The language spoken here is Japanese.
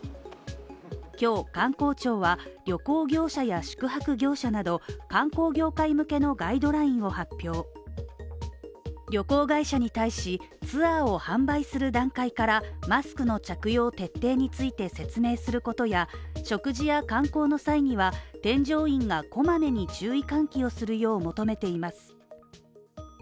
今日観光庁は、旅行業者や宿泊業者など観光業界向けのガイドラインを発表旅行会社に対し、ツアーを販売する段階から、マスクの着用徹底について説明することや、食事や観光の際には、添乗員がこまめに注意喚起をするよう求めています。